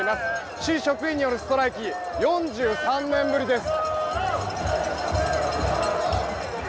市職員によるストライキ４３年ぶりです。